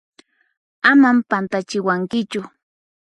Aman pantachiwankichu!